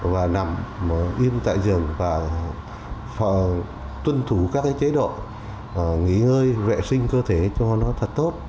và nằm yên tại giường và tuân thủ các chế độ nghỉ ngơi vệ sinh cơ thể cho nó thật tốt